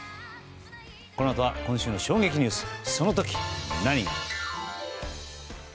このあとは今週の衝撃ニュースその時何が。